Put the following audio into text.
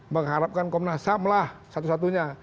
mengharapkan komnas ham lah satu satunya